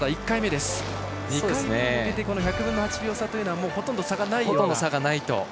２回目に向けて１００分の８秒差というのはほとんど差がないと。